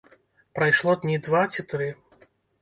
Прайшло дні два ці тры.